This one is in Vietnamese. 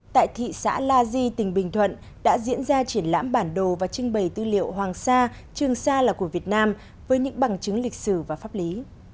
tại thị xã la di tỉnh bình thuận đã diễn ra triển lãm bản đồ và trưng bày tư liệu hoàng sa trường sa là của việt nam với những bằng chứng lịch sử và pháp lý